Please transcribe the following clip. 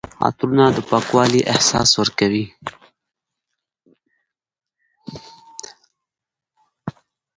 عطرونه د پاکوالي احساس ورکوي.